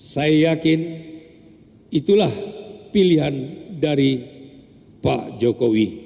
saya yakin itulah pilihan dari pak jokowi